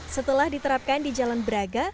setelah diterapkan di jalan braga